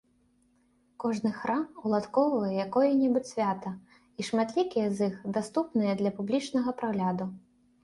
Кожны храм уладкоўвае якое-небудзь свята, і шматлікія з іх даступныя для публічнага прагляду.